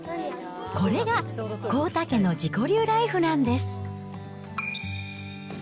これが幸田家の自己流ライフなんです。